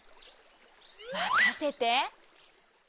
まかせて！